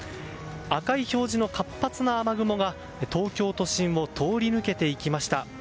赤い表示の活発な雨雲が東京都心を通り抜けていきました。